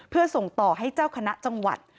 เพื่อส่งต่อให้เจ้าคณะจังหวัด